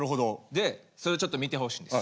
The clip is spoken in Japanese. でそれをちょっと見てほしいんです。